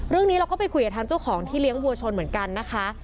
เรื่องนี้เราก็ไปคุยกับทางเจ้าของที่เลี้ยงวัวชนเหมือนกันนะคะ